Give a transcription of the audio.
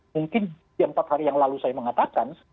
mungkin empat hari yang lalu saya mengatakan